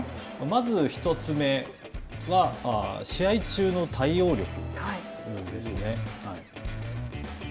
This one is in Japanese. まず１つ目は、試合中の対応力ですね。